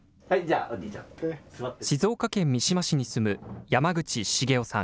静岡県三島市に住む山口重雄さん